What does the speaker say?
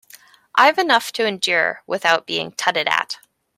I've enough to endure without being tutted at.